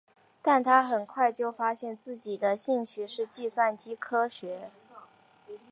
但他很快就发现自己的兴趣是计算机科学。